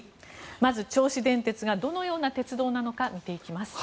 まずは改めて銚子電鉄がどのような鉄道なのか見ていきます。